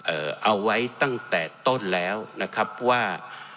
เอาไว้ตั้งแต่ต้นแล้วนะครับว่า